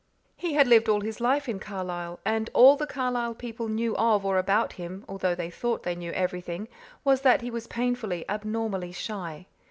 He had lived all his life in Carlisle; and all the Carlisle people knew of or about him although they thought they knew everything was that he was painfully, abnormally shy.